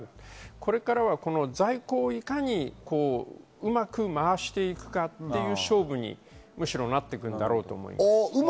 これからは在庫をいかにうまく回していくかという勝負になってくるだろうと思います。